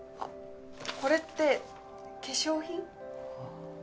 これって化粧品？